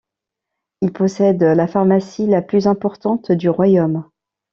Il possède la pharmacie la plus importante du royaume.